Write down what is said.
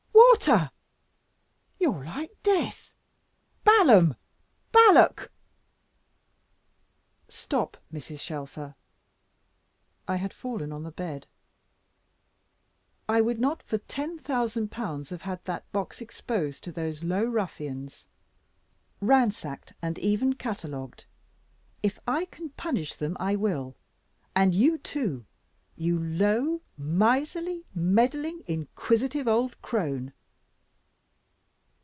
water! You're like death Balaam! Balak!" "Stop, Mrs. Shelfer" I had fallen on the bed "I would not for ten thousand pounds have had that box exposed to those low ruffians, ransacked, and even catalogued. If I can punish them I will; and you too, you low, miserly, meddling, inquisitive old crone."